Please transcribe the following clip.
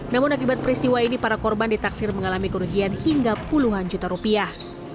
namun akibat peristiwa ini para korban ditaksir mengalami kerugian hingga puluhan juta rupiah